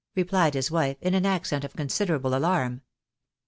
" repUed his wife, in an accent of considerable alarm.